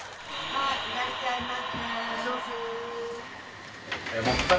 いらっしゃいませ。